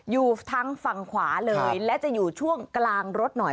อยู่ทั้งฝั่งขวาเลยและจะอยู่ช่วงกลางรถหน่อย